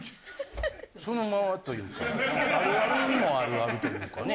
そのままというかあるあるもあるあるというかね。